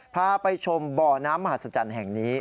พาไปชมบ่อน้ำมหัศจรรย์แห่งนี้